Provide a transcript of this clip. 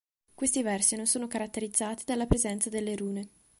Questi versi non sono caratterizzati dalla presenza delle rune.